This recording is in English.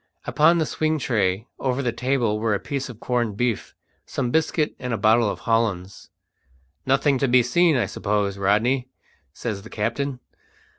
Upon the swing tray over the table were a piece of corned beef, some biscuit, and a bottle of hollands. "Nothing to be seen, I suppose, Rodney?" says the captain.